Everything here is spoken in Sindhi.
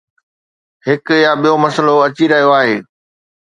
هڪ يا ٻيو مسئلو اچي رهيو آهي.